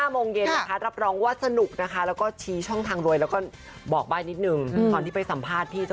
แม่มาเทปแรกเป็นไงบ้าง